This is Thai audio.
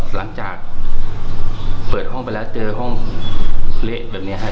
หลังจากเปิดห้องไปแล้วเจอห้องเละแบบนี้ฮะ